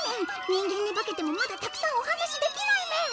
人間に化けてもまだたくさんお話しできないメン